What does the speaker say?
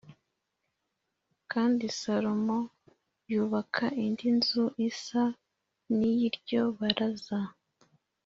Kandi Salomo yubaka indi nzu isa n’iy’iryo baraza